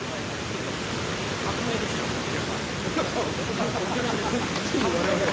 ちょっと革命ですよ、お客さん。